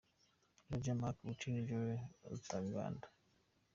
Roger Marc Ruti & Joel Rutaganda.